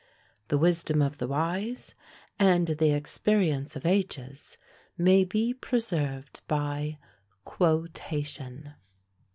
The wisdom of the wise, and the experience of ages, may be preserved by QUOTATION.